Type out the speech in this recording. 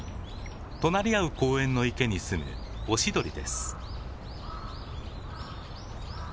隣り合う公園の池にすむオシドリです。